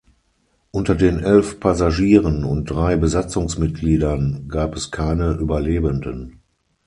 Unter den elf Passagieren und drei Besatzungsmitgliedern gab es keine Überlebenden.